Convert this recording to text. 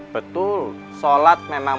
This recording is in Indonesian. betul sholat memang